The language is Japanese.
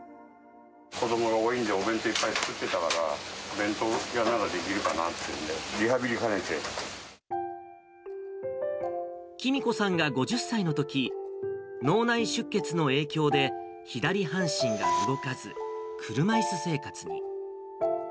子どもが多いんで、お弁当いっぱい作ってたからさ、お弁当屋ならできるかなってんで、喜美子さんが５０歳のとき、脳内出血の影響で左半身が動かず、車いす生活に。